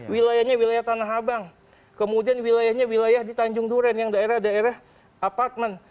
wilayahnya wilayah tanah abang kemudian wilayahnya wilayah di tanjung duren yang daerah daerah apartmen